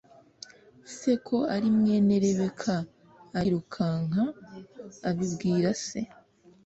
se ko ari mwene Rebeka arirukanka abibwira se